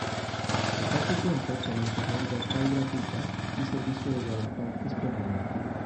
El parque cuenta con internet Wi-Fi gratuita y servicio de guardaparques permanente.